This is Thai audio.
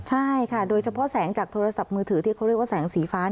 ใช่ค่ะโดยเฉพาะแสงจากโทรศัพท์มือถือที่เขาเรียกว่าแสงสีฟ้า